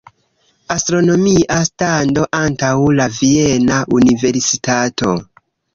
Astronomia stando antaŭ la viena universitato.